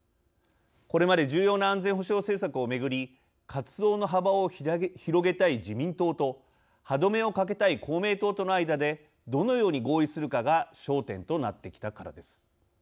これまで重要な安全保障政策を巡り活動の幅を広げたい自民党と歯止めをかけたい公明党との間でどのように合意するかが焦点となってきたからです。